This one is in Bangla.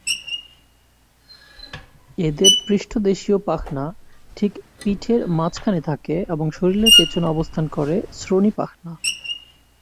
এদের পৃষ্ঠদেশীয় পাখনা ঠিক পিঠের মাঝখানে থাকে এবং শরীরের পেছনে অবস্থান করে শ্রোণী পাখনা।